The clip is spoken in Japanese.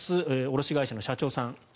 卸会社の社長さん。